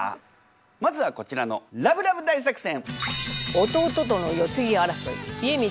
まずはこちらのラブラブ大作戦！